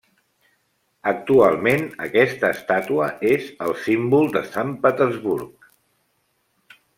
Actualment aquesta estàtua és el símbol de Sant Petersburg.